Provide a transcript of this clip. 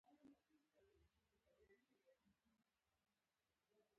خټکی پر زړه بوج نه کوي.